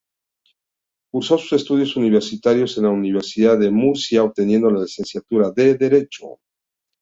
Cursó sus estudios universitarios en la Universidad de Murcia obteniendo la Licenciatura de Derecho.